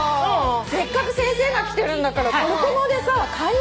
せっかく先生が来てるんだからトルコ語でさ会話！